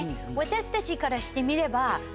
私たちからしてみれば。